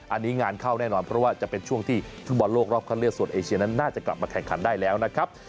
อันนี้งานเข้าแน่นอนเพราะว่าจะเป็นช่วงที่ฟุตบอลโลกรอบคันเลือกโซนเอเชียนั้นน่าจะกลับมาแข่งขันได้แล้วนะครับ